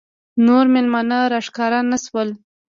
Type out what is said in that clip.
نور مېلمانه راښکاره نه شول.